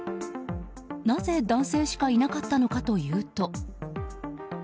なぜ男性しかいなかったのかというと。